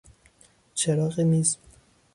چراغ میز